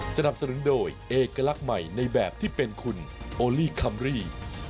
สนับสนุนโดยเอกลักษณ์ใหม่ในแบบที่เป็นคุณโอลี่คัมรี่